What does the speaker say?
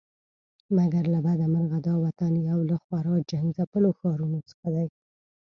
مګر له بده مرغه دا وطن یو له خورا جنګ ځپلو ښارونو څخه دی.